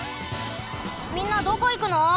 みんなどこいくの？